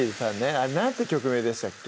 あれ何て曲名でしたっけ？